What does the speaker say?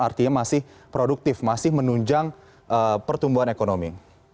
artinya masih produktif masih menunjang pertumbuhan ekonomi